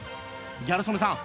ギャル曽根さん